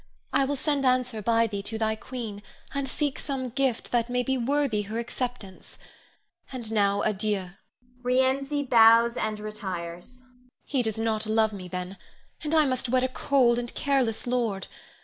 I will send answer by thee to thy queen, and seek some gift that may be worthy her acceptance. And now, adieu! [Rienzi bows and retires.] He does not love me, then, and I must wed a cold and careless lord.